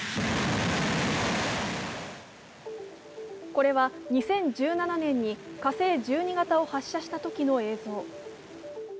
これは２０１７年に「火星１２型」を発射したときの映像。